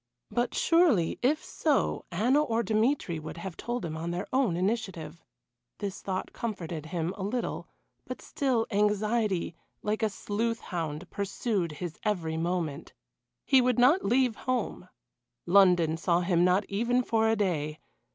But surely, if so, Anna or Dmitry would have told him on their own initiative. This thought comforted him a little, but still anxiety like a sleuth hound pursued his every moment. He would not leave home London saw him not even for a day.